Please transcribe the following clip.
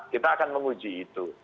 kita akan menguji itu